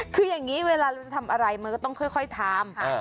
คืออย่างนี้เวลาเราจะทำอะไรมันก็ต้องค่อยทำ